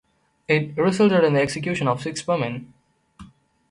It resulted in the execution of six women.